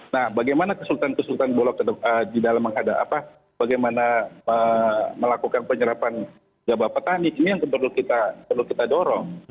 nah bagaimana kesultan kesultanan bulog di dalam menghadapi bagaimana melakukan penyerapan gabah petani ini yang perlu kita dorong